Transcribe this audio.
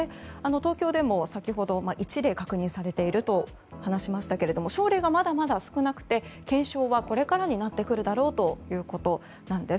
東京でも１例確認されていると話しましたが症例がまだまだ少なくて検証は、これからになってくるだろうということです。